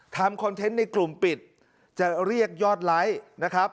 คอนเทนต์ในกลุ่มปิดจะเรียกยอดไลค์นะครับ